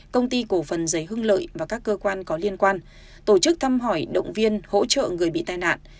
công ty cổ phần giấy hưng lợi và các cơ quan có liên quan tổ chức thăm hỏi động viên hỗ trợ người bị tai nạn